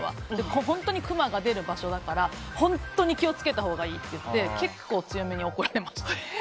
本当にクマが出る場所だから本当に気を付けたほうがいいって結構、強めに怒られました。